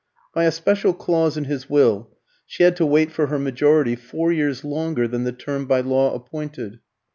By a special clause in his will, she had to wait for her majority four years longer than the term by law appointed.